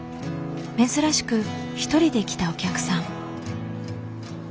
珍しく一人で来たお客さん。